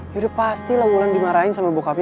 yaudah pastilah mulan dimarahin sama bokapnya